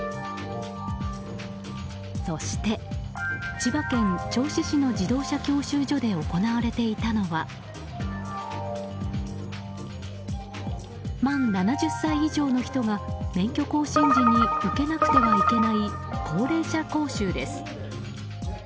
そして千葉県銚子市の自動車教習所で行われていたのは満７０歳以上の人が免許更新時に受けなくてはいけない高齢者講習です。